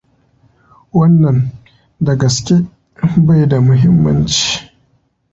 Wannan, da gaske, bai da mahimmanci.